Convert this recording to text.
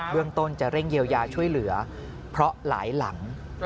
เรื่องต้นจะเร่งเยียวยาช่วยเหลือเพราะหลายหลัง